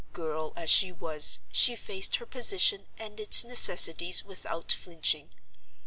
Girl as she was, she faced her position and its necessities without flinching.